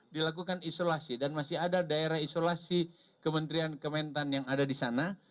dilakukan isolasi dan masih ada daerah isolasi kementerian kementan yang ada di sana